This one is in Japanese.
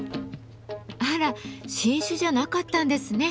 あら新種じゃなかったんですね。